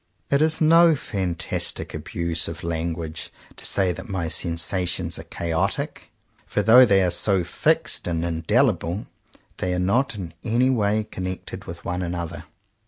It is no fantastic abuse of language to say that my sensations are chaotic; for though they are so fixed and indelible, they are not in any way con nected with one another.